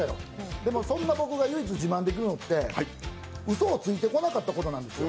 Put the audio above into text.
でもそんな僕が唯一自慢できるのってうそをついてこなかったことなんですよ。